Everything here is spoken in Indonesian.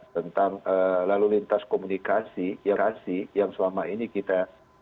tentang lalu lintas komunikasi irasi yang selama ini kita